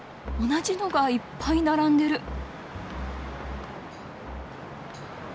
同じのがいっぱい並んでる。